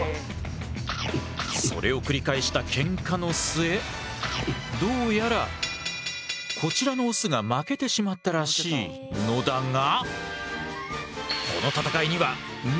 それを繰り返したケンカの末どうやらこちらのオスが負けてしまったらしいのだが。